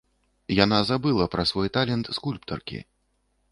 Яна забыла пра свой талент скульптаркі.